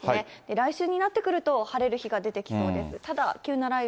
来週になってくると、晴れる日が出てきそうです。